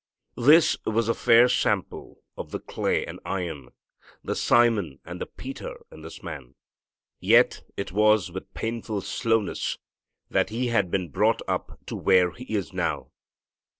This was a fair sample of the clay and iron, the Simon and the Peter in this man. Yet it was with painful slowness that he had been brought up to where he is now.